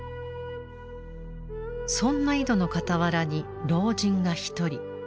そんな井戸の傍らに老人が一人。